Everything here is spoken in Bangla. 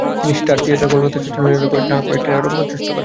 তিনি স্টার থিয়েটার, কলকাতা চৈতন্যলীলা নাটকটি মঞ্চস্থ করেন।